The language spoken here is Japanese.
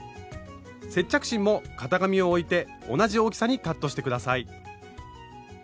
接着芯も型紙を置いて同じ大きさにカットして下さい。